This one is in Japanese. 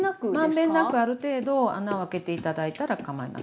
満遍なくある程度穴を開けて頂いたらかまいません。